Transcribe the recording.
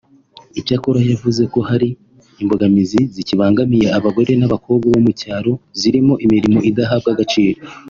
Icyakora yavuze ko hakiri imbogamizi zikibangamiye abagore n’abakobwa bo mu cyaro zirimo; imirimo idahabwa agaciro